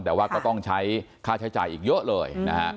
แต่ว่าก็ต้องใช้ค่าใช้จ่ายอีกเยอะเลยนะฮะ